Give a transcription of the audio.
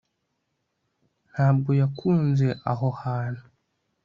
ntabwo yakunze aho hantu